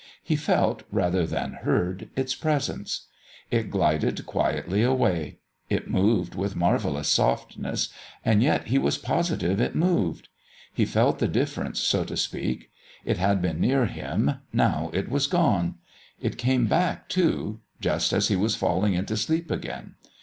He felt, rather than heard, its presence. It glided quietly away. It moved with marvellous softness, yet he was positive it moved. He felt the difference, so to speak. It had been near him, now it was gone. It came back, too just as he was falling into sleep again.